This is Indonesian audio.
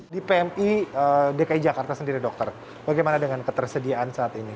di pmi dki jakarta sendiri dokter bagaimana dengan ketersediaan saat ini